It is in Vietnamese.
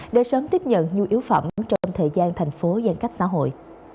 để sớm tiếp nhận nhu yếu phẩm trong thời gian thành phố giãn cách xã hội